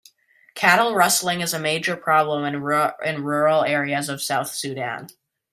Cattle rustling is a major problem in rural areas of South Sudan.